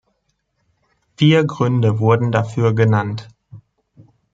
Vier Gründe wurden dafür genannt.